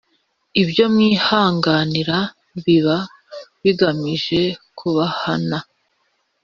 Ibyo mwihanganira biba bigamije kubahana